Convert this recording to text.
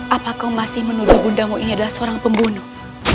apa kau masih menuduh bundamu ini adalah seorang pembunuh